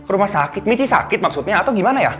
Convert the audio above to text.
rumah sakit miti sakit maksudnya atau gimana ya